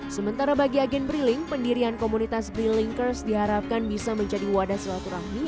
sementara bagi agen bri link pendirian komunitas bri linkers diharapkan bisa menjadi wadah selaturahmi